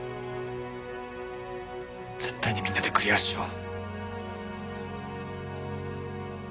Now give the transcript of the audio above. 絶対にみんなでクリアしよう。